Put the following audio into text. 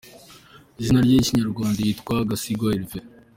Izina rye ry’ikinyarwanda yitwa Gasigwa Hervé.